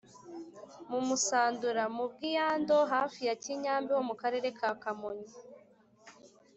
mu musandura: mu bwiyando hafi ya kinyambi ho mu karere ka kamonyi